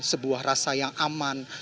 sebuah rasa yang aman